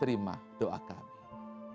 terima doa kami